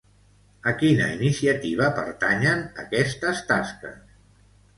A quina iniciativa pertanyen aquestes tasques?